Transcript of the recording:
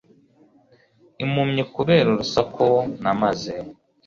Impumyi kubera urusaku na maze